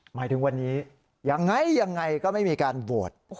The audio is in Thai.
หมายถึงวันนี้ยังไงยังไงก็ไม่มีการโหวต